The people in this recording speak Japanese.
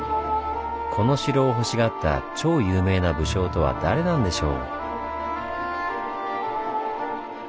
この城をほしがった超有名な武将とは誰なんでしょう？